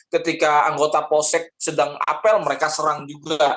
ketika anggota posek sedang apel mereka serang juga